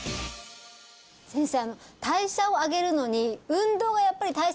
先生